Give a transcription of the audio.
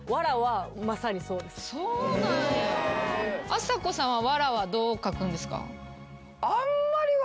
あさこさんは「わら」はどう書くんですか？